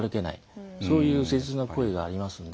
そういう切実な声がありますので。